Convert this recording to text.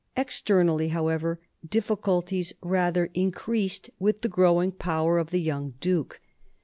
Externally, however, difficulties rather increased with the growing power of the young duke.